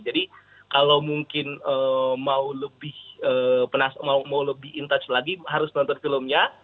jadi kalau mungkin mau lebih in touch lagi harus nonton filmnya